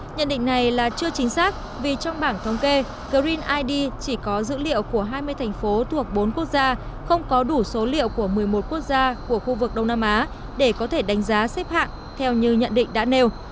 nhận định này là chưa chính xác vì trong bảng thống kê green id chỉ có dữ liệu của hai mươi thành phố thuộc bốn quốc gia không có đủ số liệu của một mươi một quốc gia của khu vực đông nam á để có thể đánh giá xếp hạng theo như nhận định đã nêu